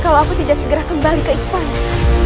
kalau aku tidak segera kembali ke istana